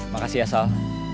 makasih ya sal